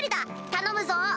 頼むぞ？